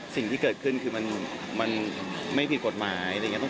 สิ่งที่เกิดขึ้นคือมันไม่ผิดกฎหมาย